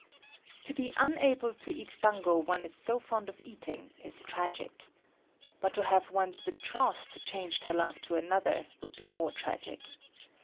To be unable to eat dango one is so fond of eating, is tragic. But to have one's betrothed change her love to another, would be more tragic.